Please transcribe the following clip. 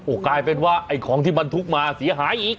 กลายเป็นว่าไอ้ของที่บรรทุกมาเสียหายอีก